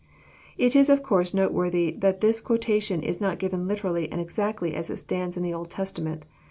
It is of course noteworthy that this quotation Is not given literally and exactly as it stands in the Old Testament.